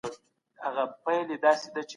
خوشحالي په زړه کي پیدا کیږي.